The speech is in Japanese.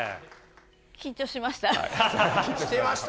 緊張しました。